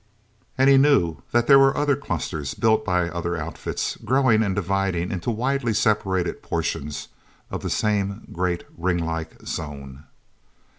And he knew that there were other clusters, built by other outfits, growing and dividing into widely separated portions of the same great ring like zone.